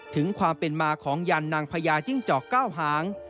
ถึงความเป็นมาของยันนางพญาจิ้งจอกเก้าหาง